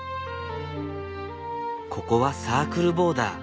ここはサークルボーダー。